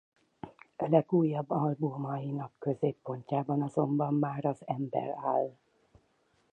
Legújabb albumainak középpontjában azonban már az ember áll.